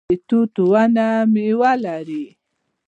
د توت ونه میوه لري